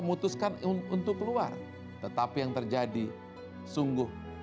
memutuskan untuk keluar tetapi yang terjadi sungguh